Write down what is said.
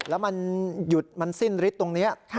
แล้วมันหยุดมันสิ้นฤทธิ์ตรงนี้